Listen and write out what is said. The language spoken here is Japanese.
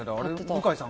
向井さん